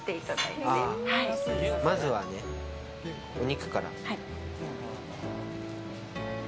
まずはお肉から。